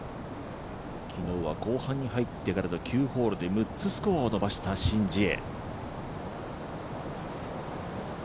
昨日は後半に入って９ホールで６つスコアを伸ばしたシン・ジエ。